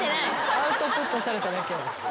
アウトプットされただけ。